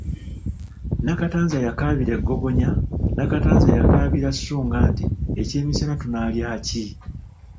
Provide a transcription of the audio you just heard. Nakatanza yakaabira e Ggogonya Nakatanza yakaabira Ssunga Nti ekyemisana tunaalya ki?